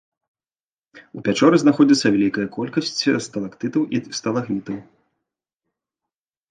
У пячоры знаходзіцца вялікая колькасць сталактытаў і сталагмітаў.